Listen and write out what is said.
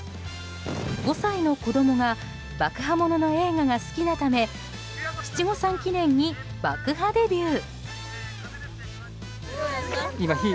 ５歳の子供が爆破ものの映画が好きなため七五三記念に爆破デビュー。